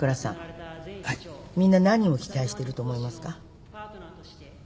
みんな何を期待してると思いますか？